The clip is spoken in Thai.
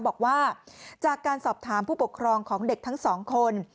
บอกว่าจากการสอบถามผู้ปกครองของเด็กทั้งสองคน